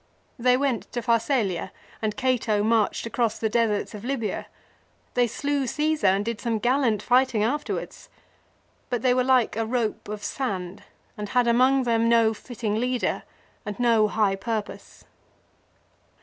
They went to Pharsalia and Cato marched across the deserts of Libya. They slew Caesar, and did some gallant righting afterwards. But they were like a rope of sand and had among them no fitting leader and no high purpose.